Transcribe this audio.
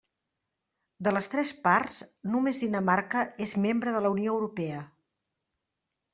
De les tres parts, només Dinamarca és membre de la Unió Europea.